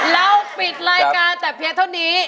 เราปิดรายการแต่เพียงเท่านี้